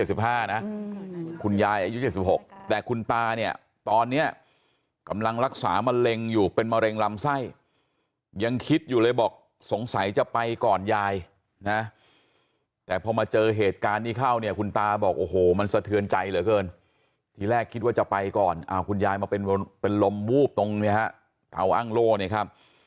เอาคุณยายมาเป็นลมวูบตรงเนี่ยครับเทาอ้างโล่เนี่ยครับ